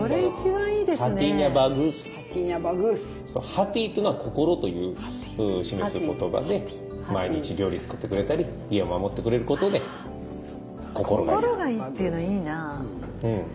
「ハティー」というのは心という示す言葉で毎日料理作ってくれたり家を守ってくれることで心がいい。